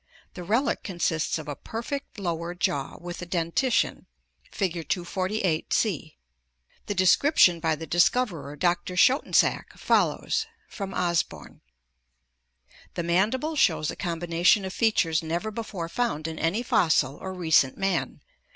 The relic consists of a perfect lower jaw with the dentition (Fig. 248, C): The description by the discoverer, Doctor Schoetensack, follows (from Osborn): "The mandible shows a combination of features never before found in any fossil or recent man.